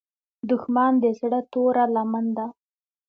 دښمن د زړه توره لمن ده